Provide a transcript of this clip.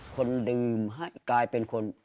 คนดื่มให้กลายเป็นคน